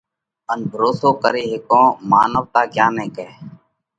ان ڀروسو ڪري هيڪونه؟ مانَوَتا ڪيا نئہ ڪئه؟